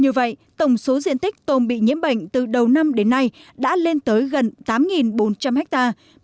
như vậy tổng số diện tích tôm bị nhiễm bệnh từ đầu năm đến nay đã lên tới gần tám bốn trăm linh hectare